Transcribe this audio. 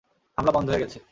হামলা বন্ধ হয়ে গেছে।